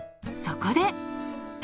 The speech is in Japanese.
そこで。